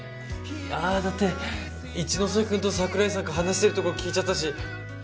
いやあだって一ノ瀬くんと桜井さんが話してるとこ聞いちゃったし。